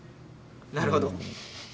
なるほど。